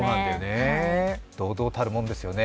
堂々たるもんですよね。